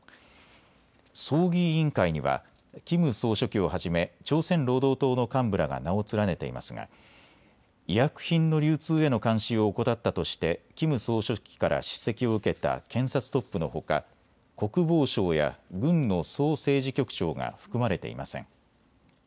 葬儀委員会にはキム総書記をはじめ朝鮮労働党の幹部らが名を連ねていますが、医薬品の流通への監視を怠ったとしてキム総書記から叱責を受けた検察トップのほか国防相や軍の総政治局長が含まれていません。